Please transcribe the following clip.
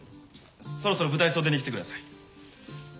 そろそろ舞台袖に来てください。